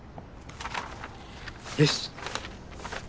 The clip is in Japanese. よし。